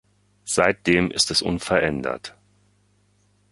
Seitdem ist es unverändert.